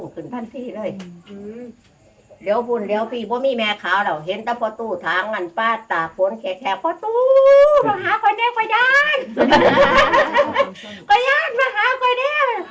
พาตู้มาหาควรเนี่ยค่อยได้